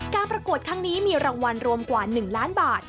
ประกวดครั้งนี้มีรางวัลรวมกว่า๑ล้านบาท